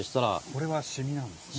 これは染みなんですね。